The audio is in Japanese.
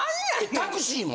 タクシーも？